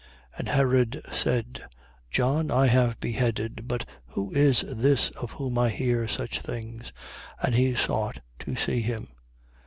9:9. And Herod said: John I have beheaded. But who is this of whom I hear such things? And he sought to see him.